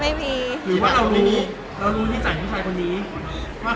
ไม่มีค่ะไม่มี